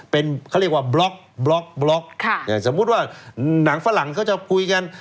เป็นเขาเรียกว่าบล็อกบล็อกบล็อกสมมุติว่าหนังฝรั่งเขาจะคุยกัน